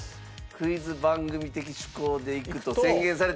クイズ番組的思考でいくと宣言されて。